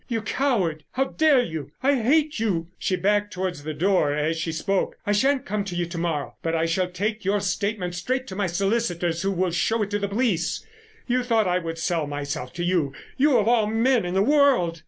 "You coward! How dare you! I hate you!" She backed towards the door as she spoke. "I shan't come to you to morrow, but I shall take your statement straight to my solicitors, who will show it to the police. You thought I would sell myself to you—you of all men in the world!"